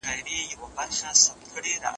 نړیوال تجارت د ټولو هیوادونو اړتیا ده.